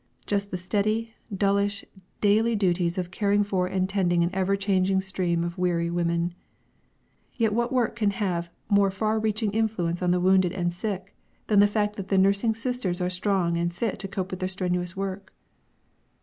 Just the steady, dullish daily duties of caring for and tending an ever changing stream of weary women! Yet what work can have more far reaching influence on the wounded and sick than the fact that the nursing sisters are strong and fit to cope with their strenuous work?